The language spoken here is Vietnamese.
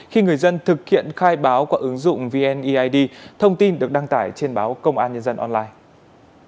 khi người dân thực hiện khai báo qua ứng dụng vneid thông tin được đăng tải trên báo công an nhân dân online